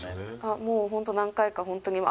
もう本当何回か本当にあ